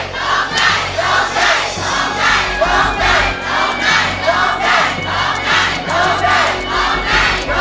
โทษให้โทษให้โทษให้